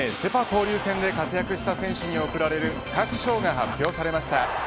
交流戦で活躍した選手に贈られる各賞が発表されました。